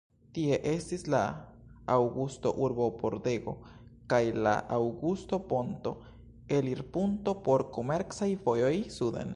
Tie estis la Aŭgusto-urbopordego kaj la Aŭgusto-ponto, elirpunkto por komercaj vojoj suden.